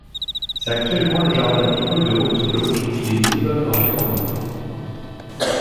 C’est actuellement le jardin Nicole-de-Hauteclocque et les immeubles environnants.